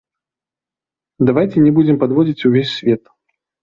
Давайце не будзем падводзіць увесь свет.